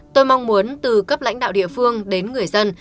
tôi mong muốn từ cấp lãnh đạo địa phương đến người dân